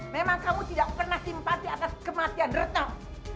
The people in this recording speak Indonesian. memang kamu tidak pernah simpati atas kematian retak